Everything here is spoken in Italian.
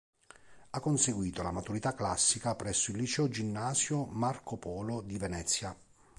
Ha conseguito la maturità classica presso il Liceo Ginnasio Marco Polo di Venezia.